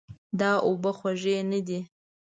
دا اوبه خوږې نه دي.